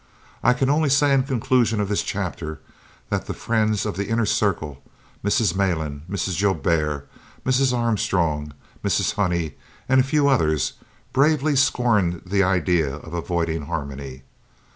I can only say in conclusion of this chapter that the friends of the "inner circle," Mrs. Malan, Mrs. Joubert, Mrs. Armstrong, Mrs. Honey, and a few others, bravely scorned the idea of avoiding Harmony.